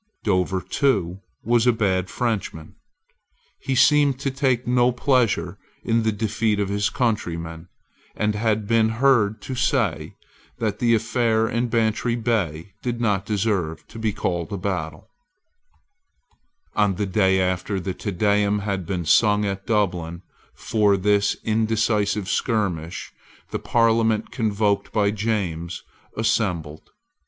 Dover, too, was a bad Frenchman. He seemed to take no pleasure in the defeat of his countrymen, and had been heard to say that the affair in Bantry Bay did not deserve to be called a battle, On the day after the Te Deum had been sung at Dublin for this indecisive skirmish, the Parliament convoked by James assembled.